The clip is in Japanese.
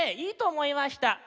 いいとおもいました。